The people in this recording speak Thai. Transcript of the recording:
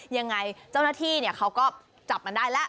ยังไงเจ้าหน้าที่เขาก็จับมันได้แล้ว